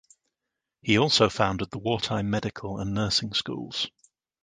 He also founded the wartime medical and nursing schools.